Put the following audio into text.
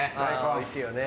おいしいよね。